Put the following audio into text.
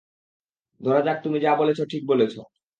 ধরা যাক তুমি যা বলছো ঠিক বলছো।